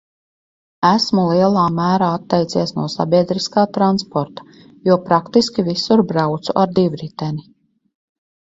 Esmu lielā mērā atteicies no sabiedriskā transporta, jo praktiski visur braucu ar divriteni.